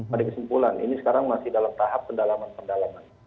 ada kesimpulan ini sekarang masih dalam tahap pendalaman pendalaman